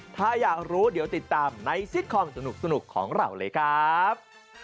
ถ้าอยากรู้เดี๋ยวติดตามในซิตคอมสนุกของเราเลยครับ